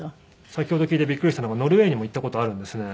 先ほど聞いてびっくりしたのがノルウェーにも行った事あるんですね。